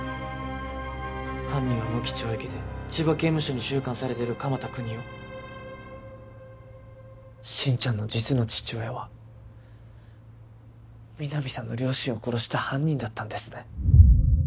犯人は無期懲役で千葉刑務所に収監されてる鎌田國士心ちゃんの実の父親は皆実さんの両親を殺した犯人だったんですね